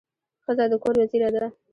ښځه د کور وزیره ده.